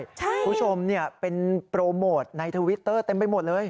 คุณผู้ชมเป็นโปรโมทในทวิตเตอร์เต็มไปหมดเลย